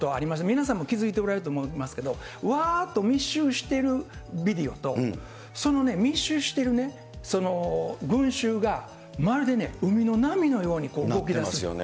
皆さんも気付いておられると思うんですけど、うわーっと密集しているビデオと、その密集してるその群衆がまるで海の波のように動きます。